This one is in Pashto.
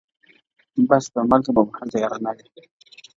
بس تر مرګه به مو هلته یارانه وي -